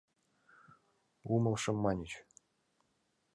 Умылышым, маньыч.